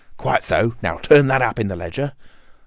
"Quite so. Now turn that up in the ledger."